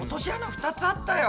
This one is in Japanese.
２つあったよ。